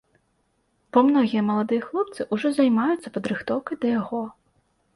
Бо многія маладыя хлопцы ўжо займаюцца падрыхтоўкай да яго.